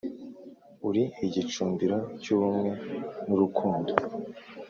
Uri igicundiro cy'ubumwe n'urukundo